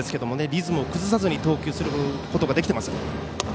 リズムを崩さずに投球することができています。